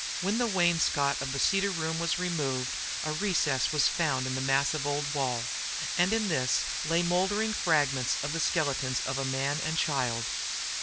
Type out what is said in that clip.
When the wainscot of the Cedar Closet was removed a recess was discovered in the massive old wall, and in this lay moldering fragments of the skeletons of a man and child!